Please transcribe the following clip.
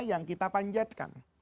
yang kita panjatkan